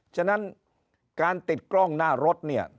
ฉะนั้นการติดกล้องหน้ารถเนี่ย